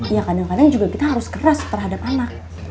ya kadang kadang juga kita harus keras terhadap anak